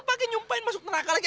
pak gey nyumpain masuk neraka lagi